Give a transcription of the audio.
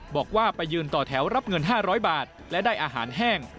บอกว่าไปยืนต่อแถวรับเงิน๕๐๐บาทและได้อาหารแห้ง